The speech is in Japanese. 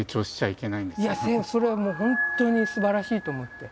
いやそれはもう本当にすばらしいと思って。